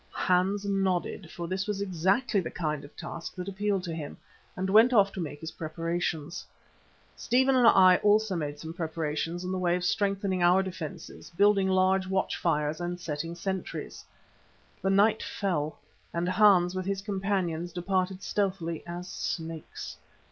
Hans nodded, for this was exactly the kind of task that appealed to him, and went off to make his preparations. Stephen and I also made some preparations in the way of strengthening our defences, building large watch fires and setting sentries. The night fell, and Hans with his companions departed stealthily as snakes.